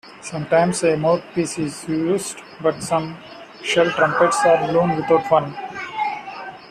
Sometimes a mouthpiece is used, but some shell trumpets are blown without one.